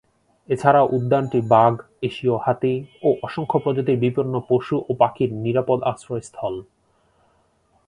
এছাড়াও উদ্যানটি বাঘ, এশীয় হাতি ও অসংখ্য প্রজাতির বিপন্ন পশু ও পাখির নিরাপদ আশ্রয়স্থল।